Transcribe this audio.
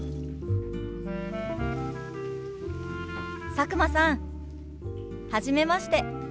佐久間さんはじめまして。